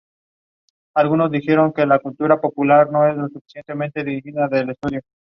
Tiene un cine con varias salas y una bolera.